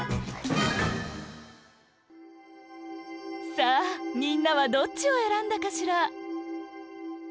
さあみんなはどっちを選んだかしら？